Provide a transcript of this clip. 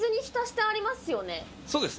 そうです。